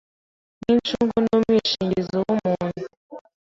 nk’inshungu n’umwishingizi w’umuntu